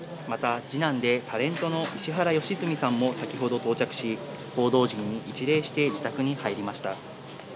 また、次男でタレントの石原良純さんも先ほど到着し、報道陣に一礼して自宅に入りました。